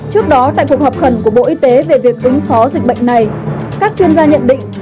trước đó tại cuộc họp khẩn của bộ y tế về việc ứng phó dịch bệnh này các chuyên gia nhận định